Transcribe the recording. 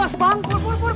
awas bang pur pur pur